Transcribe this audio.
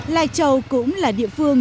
lai châu cũng là địa phương